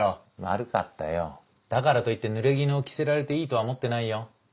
悪かったよだからといってぬれぎぬを着せられていいとは思ってないよ。